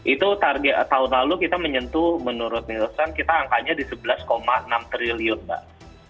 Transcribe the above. itu target tahun lalu kita menyentuh menurut nielsen kita angkanya di sebelas enam triliun mbak